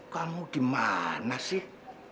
kamu gimana sih